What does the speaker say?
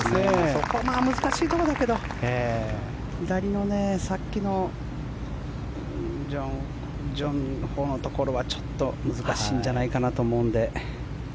そこが難しいところだけど左のさっきのジョン・ホのところはちょっと難しいんじゃないかと思うので。